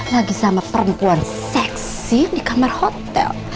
lagi sama perempuan seksi di kamar hotel